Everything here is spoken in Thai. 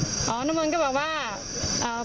อ๋อน้องมนต์ก็บอกว่าอ่า